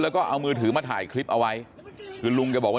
แล้วก็เอามือถือมาถ่ายคลิปเอาไว้คือลุงแกบอกว่า